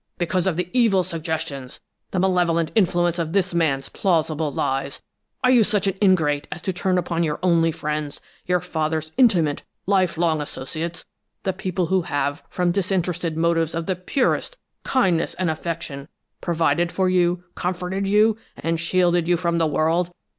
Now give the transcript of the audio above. Because of the evil suggestions, the malevolent influence of this man's plausible lies, are you such an ingrate as to turn upon your only friends, your father's intimate, life long associates, the people who have, from disinterested motives of the purest kindness and affection, provided for you, comforted you, and shielded you from the world?